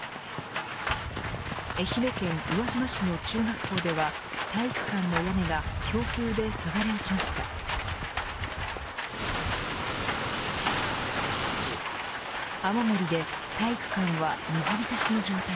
愛媛県宇和島市の中学校では体育館の屋根が強風ではがれ落ちました。